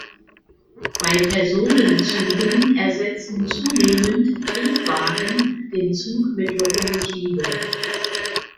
Bei Personenzügen ersetzen zunehmend Triebwagen den Zug mit Lokomotive.